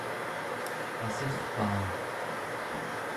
assirpaa